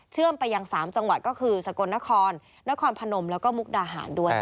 เชื่อมไปอย่างสามจังหวัดก็คือสกลนครนครพนมแล้วก็มุกดาหารด้วยค่ะ